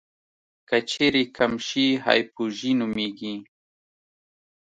که چیرې کم شي هایپوژي نومېږي.